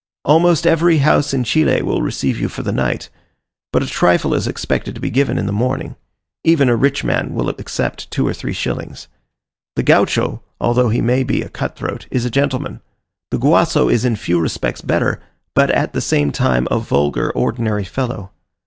Almost every house in Chile will receive you for the night, but a trifle is expected to be given in the morning; even a rich man will accept two or three shillings. The Gaucho, although he may be a cutthroat, is a gentleman; the Guaso is in few respects better, but at the same time a vulgar, ordinary fellow.